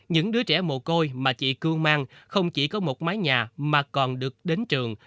những đứa trẻ mồ côi mà chị cưu mang không chỉ có một mái nhà mà còn được đến trường